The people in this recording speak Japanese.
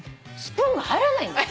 スプーンが入らない。